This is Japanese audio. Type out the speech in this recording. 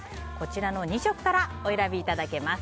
２色からお選びいただけます。